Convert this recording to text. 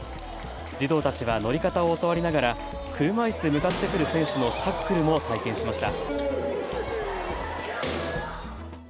児童たちは乗り方を教わりながら車いすで向かってくる選手のタックルも体験しました。